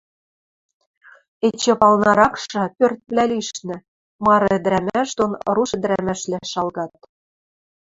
Эче палныракшы, пӧртвлӓ лишнӹ, мары ӹдӹрӓмӓш дон руш ӹдӹрӓмӓшвлӓ шалгат.